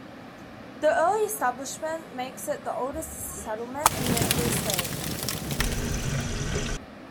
The early establishment makes it the oldest settlement in the Free State.